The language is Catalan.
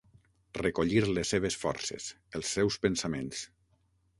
Recollir les seves forces, els seus pensaments.